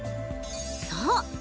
そう。